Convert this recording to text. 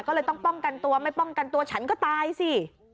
ก็เลยต้องป้องกันตัวไม่ป้องกันตัวฉันก็ตายสิ